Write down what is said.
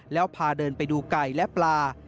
แล้วพาเดินไปดูไก่และปลา